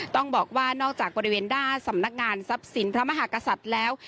ต้องบอกว่านอกจากบริเวณหน้าสำนักงานทรัพย์สินพระมหากษัตริย์แล้ว